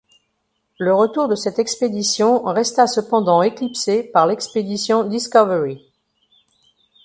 Le retour de cette expédition resta cependant éclipsé par l'expédition Discovery.